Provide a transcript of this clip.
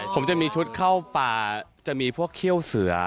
ผมจะมีชุดเข้าป่าจะมีพวกเขี้ยวเสือ